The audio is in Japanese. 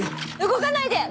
動かないで！